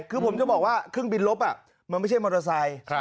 คือผมจะบอกว่าเครื่องบินลบมันไม่ใช่มอเตอร์ไซค์